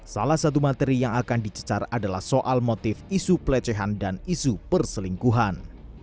salah satu materi yang akan dicecar adalah soal motif isu pelecehan dan isu perselingkuhan